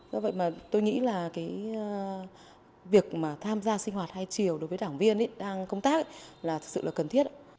do vậy mà tôi nghĩ là cái việc mà tham gia sinh hoạt hai chiều đối với đảng viên đang công tác là sự là cần thiết